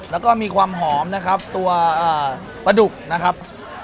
แล้วก็มีความหอมนะครับตัวปลาดุกนะครับ